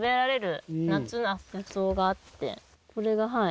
これがはい。